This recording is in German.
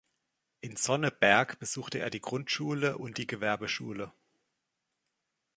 In Sonneberg besuchte er die Grundschule und die Gewerbeschule.